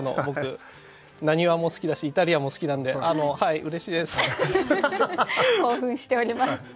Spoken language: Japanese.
僕浪速も好きだしイタリアンも好きなんでうれしいです。